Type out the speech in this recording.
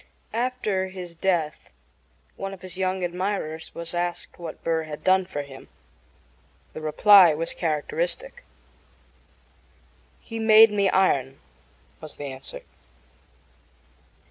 After his death one of his younger admirers was asked what Burr had done for him. The reply was characteristic. "He made me iron," was the answer.